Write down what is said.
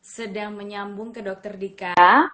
sedang menyambung ke dokter dika